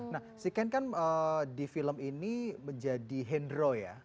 nah si ken kan di film ini menjadi hendro ya